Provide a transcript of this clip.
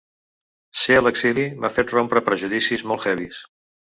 Ser a l’exili m’ha fet rompre prejudicis molt heavies.